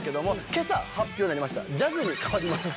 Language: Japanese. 今朝発表になりました「ジャズ」に変わります。